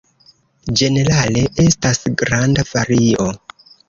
Ĝenerale estas granda vario.